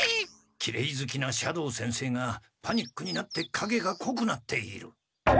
きれいずきな斜堂先生がパニックになってかげがこくなっている。